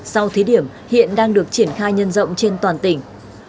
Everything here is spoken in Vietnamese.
sau thí điểm hiện đang được triển khai nhân rộng trên toàn tỉnh